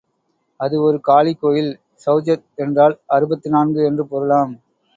அது ஒரு காளி கோயில் சவுசத் என்றால் அறுபத்தி நான்கு என்று பொருளாம்.